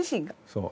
そう。